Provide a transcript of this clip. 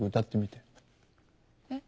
えっ？